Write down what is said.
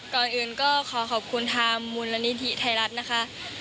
ก่อนอื่นก็ขอขอบคุณทางมูลนิธิไทยรัฐนะคะ